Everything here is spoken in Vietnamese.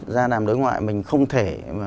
gia đàm đối ngoại mình không thể